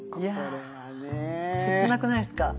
いやぁ切なくないですか？